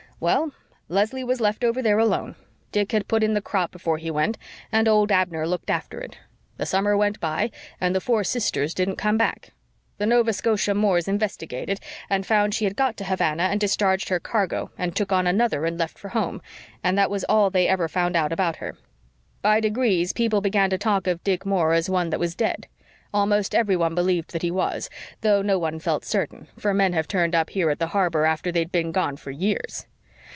"Well, Leslie was left over there alone. Dick had put in the crop before he went, and old Abner looked after it. The summer went by and the Four Sisters didn't come back. The Nova Scotia Moores investigated, and found she had got to Havana and discharged her cargo and took on another and left for home; and that was all they ever found out about her. By degrees people began to talk of Dick Moore as one that was dead. Almost everyone believed that he was, though no one felt certain, for men have turned up here at the harbor after they'd been gone for years.